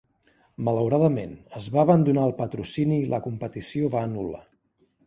Malauradament, es va abandonar el patrocini i la competició va anul·lar.